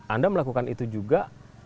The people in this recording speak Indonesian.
anda melakukan itu juga